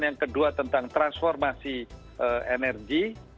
yang kedua tentang transformasi energi